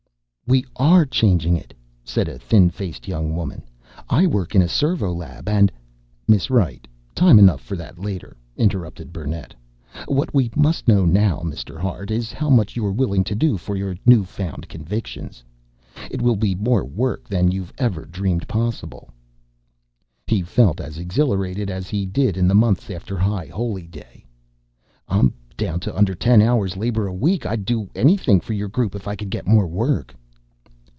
"We are changing it," said a thin faced young woman. "I work in a servo lab and ." "Miss Wright, time enough for that later," interrupted Burnett. "What we must know now, Mr. Hart, is how much you're willing to do for your new found convictions? It will be more work than you've ever dreamed possible." He felt as exhilarated as he did in the months after High Holy Day. "I'm down to under ten hours labor a week. I'd do anything for your group if I could get more work."